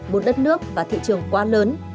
một đất nước và thị trường quá lớn